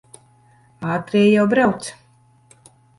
Ātrie jau brauc.